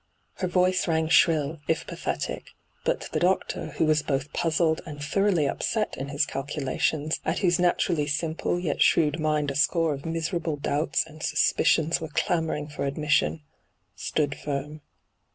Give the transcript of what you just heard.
Her voice rang shrill, if pathetic. But the doctor, who was both puzzled and thoroughly upset in his calculations, at whose natur^y simple yet shrewd mind a score of miserable doubts ^nd suspicions were clamouring for admission, stood firm.